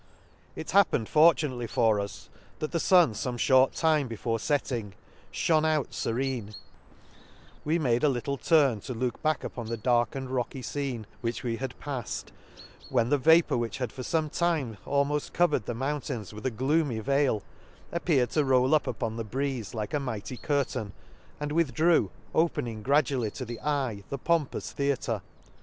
— It happened fortunately for us that the fun fome fhort time before fetting, fhone out ferene; — we made a little turn to look back upon the dark and rocky fcene which we had pafled, when the vapour which had for fome time almofl covered the mountains with a gloomy veil, appeared to roll up upon the breeze like a mighty curtain, and withdrew/ opening gradually to the eye the pompous theatre.